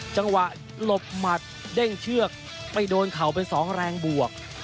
จังหวะหลบหมัดเด้งเชือกไปโดนเข่าเป็นสองแรงบวก